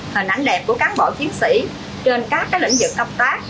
hình ảnh đẹp của cán bộ chiến sĩ trên các lĩnh vực công tác